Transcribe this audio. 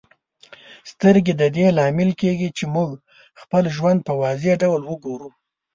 سترګې د دې لامل کیږي چې موږ خپل ژوند په واضح ډول وګورو.